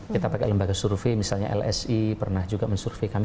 kita pakai lembaga survei misalnya lsi pernah juga mensurvey kami